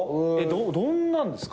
どんなんですか？